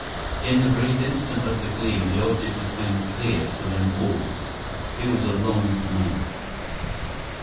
In the brief instant of the gleam, the object became clear to them all. It was a long knife.